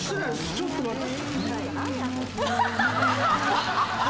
ちょっと待って。